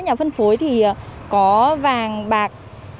nhà phân phối thì có vàng bạc